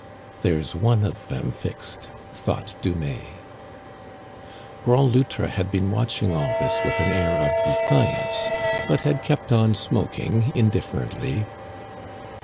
There's one of them fixed," thought Dumais. Grand Loutre had been watching all this with an air of defiance, but had kept on smoking indifferently.